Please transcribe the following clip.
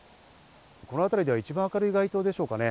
このあたりでは一番明るい街灯でしょうかね。